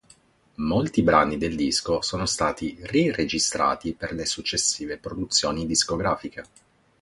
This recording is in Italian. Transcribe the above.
Molti brani del disco sono stati ri-registrati per le successive produzioni discografiche.